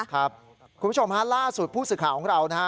คุณผู้ชมฮะล่าสุดผู้สื่อข่าวของเรานะฮะ